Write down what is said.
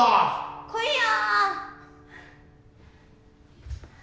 来いや！